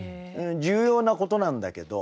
重要なことなんだけど。